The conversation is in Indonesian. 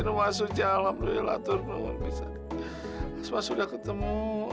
namasuja alhamdulillah turun bisa sudah ketemu